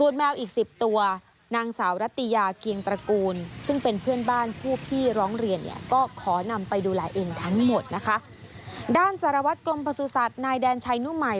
สารวัตรกรมประสุทธิ์นายแดนชัยนุมัย